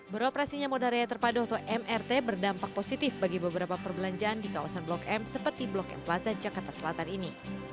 beroperasinya moda raya terpadu atau mrt berdampak positif bagi beberapa perbelanjaan di kawasan blok m seperti blok m plaza jakarta selatan ini